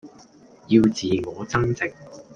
要自我增值